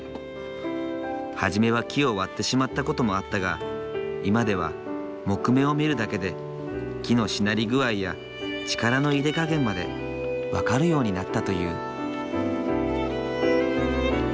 初めは木を割ってしまった事もあったが今では木目を見るだけで木のしなり具合や力の入れ加減まで分かるようになったという。